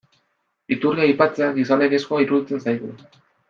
Iturria aipatzea, gizalegezkoa iruditzen zaigu.